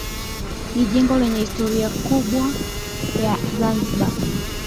Ni jengo lenye historia kubwa ya Zanzibar